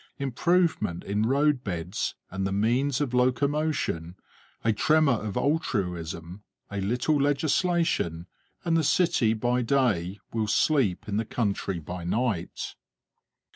Improvement in road beds and the means of locomotion, a tremor of altruism, a little legislation, and the city by day will sleep in the country by night.